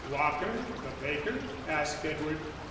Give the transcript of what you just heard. "Walker, the baker?" asked Edward.